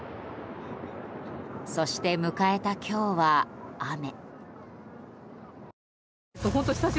そして、迎えた今日は雨。